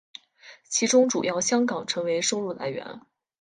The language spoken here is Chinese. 其中主要香港成为收入来源。